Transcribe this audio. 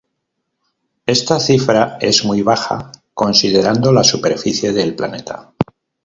Esta cifra es muy baja considerando la superficie del planeta.